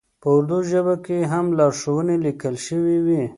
په اردو ژبه هم لارښوونې لیکل شوې وې.